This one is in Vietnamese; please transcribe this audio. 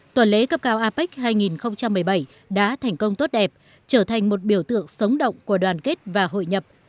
tuần lễ cấp cao apec hai nghìn một mươi bảy đã thành công tốt đẹp trở thành một biểu tượng sống động của đoàn kết và hội nhập